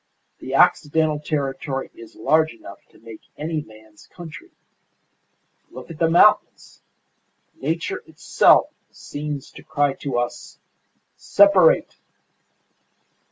The Occidental territory is large enough to make any man's country. Look at the mountains! Nature itself seems to cry to us, 'Separate!